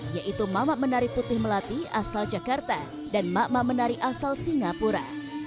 yaitu mamak menari putih melati asal jakarta dan mak mak menari asal singapura